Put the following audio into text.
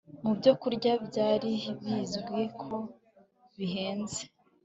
mu byokurya byari bizwi ko bihenze